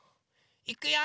いくよ。